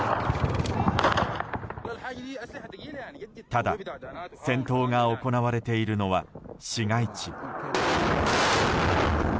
ただ、戦闘が行われているのは市街地。